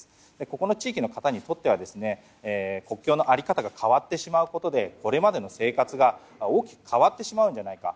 ここの地域の方にとっては国境の在り方が変わってしまうことでこれまでの生活が大きく変わってしまうのではないか。